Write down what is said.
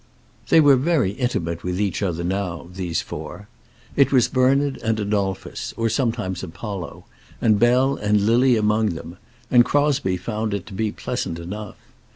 They were very intimate with each other now, these four. It was Bernard and Adolphus, or sometimes Apollo, and Bell and Lily among them; and Crosbie found it to be pleasant enough.